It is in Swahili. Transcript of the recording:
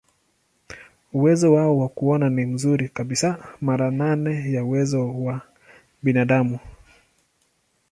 Uwezo wao wa kuona ni mzuri kabisa, mara nane ya uwezo wa binadamu.